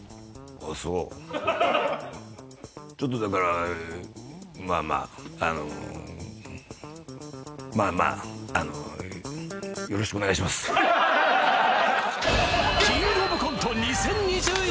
あっそうちょっとだからまあまああの「キングオブコント」２０２１